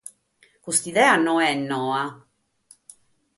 Custa idea no est noa!